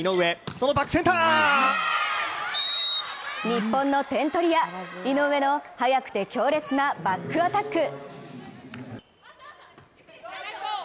日本の点取り屋・井上の速くて強烈なバックアタック。